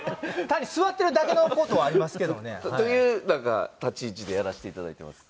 単に座ってるだけの事はありますけどね。というなんか立ち位置でやらせていただいてます。